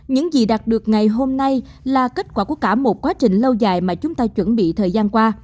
những gì đạt được ngày hôm nay là kết quả của cả một quá trình lâu dài mà chúng ta chuẩn bị thời gian qua